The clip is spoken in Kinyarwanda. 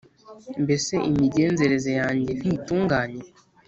mbese imigenzereze yanjye ntitunganye?